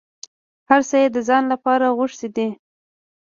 هر څه یې د ځان لپاره غوښتي دي.